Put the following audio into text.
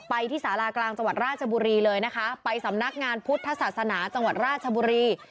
ที่สารากลางจังหวัดราชบุรีเลยนะคะไปสำนักงานพุทธศาสนาจังหวัดราชบุรี